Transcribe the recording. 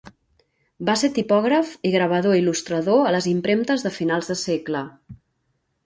Va ser tipògraf i gravador il·lustrador a les impremtes de finals de segle.